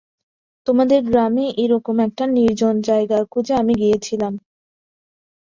তোমাদের গ্রামে এরকম একটা নির্জন জায়গায় খোঁজে আমি গিয়েছিলাম।